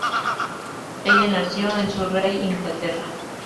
Ella nació en Surrey, Inglaterra.